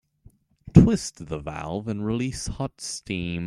Twist the valve and release hot steam.